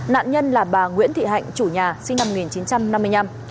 nạn nhân là bà nguyễn thị hạnh chủ nhà sinh năm một nghìn chín trăm năm mươi năm